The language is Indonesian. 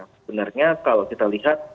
sebenarnya kalau kita lihat